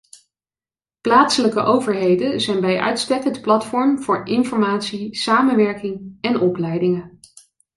Plaatselijke overheden zijn bij uitstek het platform voor informatie, samenwerking en opleidingen.